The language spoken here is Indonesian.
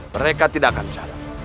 mereka tidak akan salah